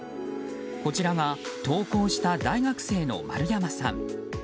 こちらが投稿した大学生の丸山さん。